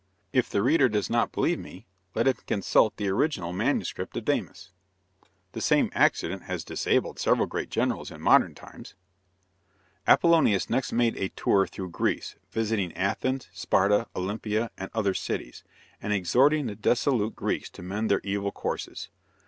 If the reader does not believe me, let him consult the original MS. of Damis. The same accident has disabled several great generals in modern times. Apollonius next made a tour through Greece, visiting Athens, Sparta, Olympia, and other cities, and exhorting the dissolute Greeks to mend their evil courses.